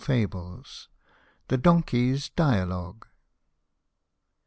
FABLE II. THE DONKEYS DIALOGUE.